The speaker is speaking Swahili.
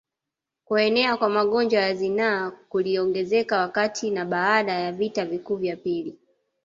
Kuenea kwa magonjwa ya zinaa kuliongezeka wakati na baada ya vita vikuu vya pili